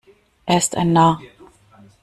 Er ist ein Narr.